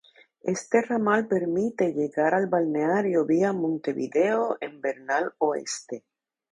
Este ramal permite llegar al balneario vía Montevideo en Bernal Oeste.